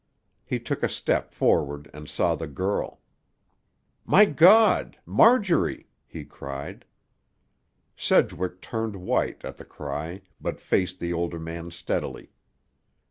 He took a step forward and saw the girl. "My God! Marjorie!" he cried. Sedgwick turned white, at the cry, but faced the older man steadily.